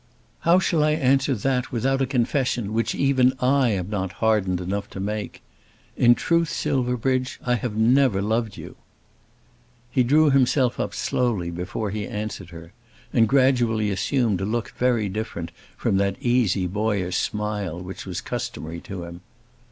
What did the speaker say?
"How shall I answer that without a confession which even I am not hardened enough to make? In truth, Silverbridge, I have never loved you." He drew himself up slowly before he answered her, and gradually assumed a look very different from that easy boyish smile which was customary to him.